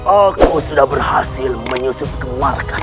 aku sudah berhasil menyusup ke markas pemerintah